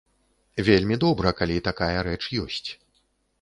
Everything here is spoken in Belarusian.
Вельмі добра, калі такая рэч ёсць.